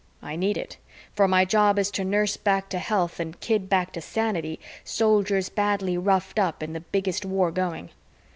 I need it, for my job is to nurse back to health and kid back to sanity Soldiers badly roughed up in the biggest war going.